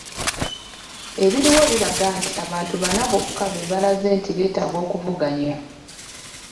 Ebiriwo biraga nti abantu bana bokka be balaze nti beetaaga okuvuganya